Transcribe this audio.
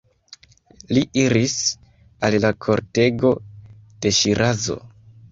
Li iris al la kortego de Ŝirazo.